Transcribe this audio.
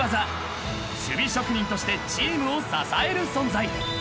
［守備職人としてチームを支える存在］